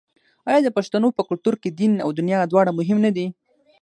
آیا د پښتنو په کلتور کې دین او دنیا دواړه مهم نه دي؟